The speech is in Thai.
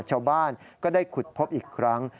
ชาวบ้านก็ได้ขุดพบอีกครั้ง